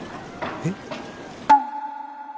えっ？